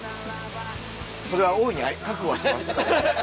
それは大いに覚悟はしてます。